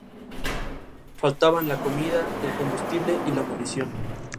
Todas incluyen Microsoft Word y PowerPoint.